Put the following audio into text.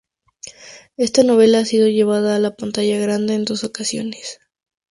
Esta novela ha sido llevada a la pantalla grande en dos ocasiones.